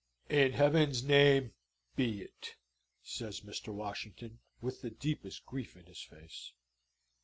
"In Heaven's name, be it!" says Mr. Washington, with the deepest grief in his face.